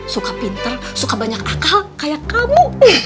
suka pinter suka banyak akal kayak kamu